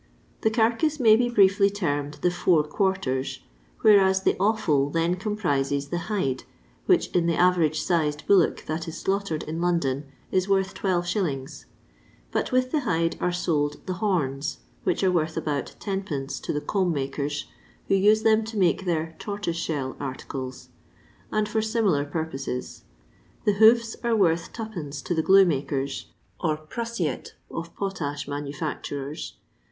The carcass may be briefly termed the four quarters, whereas the offal then comprises the hide, which in the average sized bullock that is slaughtered in London is worth 12s. ; but with the hide are sold the horns, which are worth about lOe^. to the comb makers, who use them to make their "tortoise shell" articles, and for similar purposes. The hoofs are worth 2d, to the glue makers, or prussiate of potash manufiicturers.